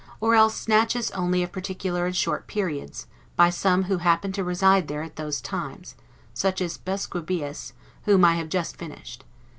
or else snatches only of particular and short periods, by some who happened to reside there at those times; such as Busbequius, whom I have just finished.